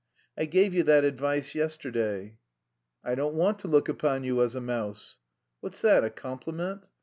I gave you that advice yesterday." "I don't want to look upon you as a mouse." "What's that, a compliment?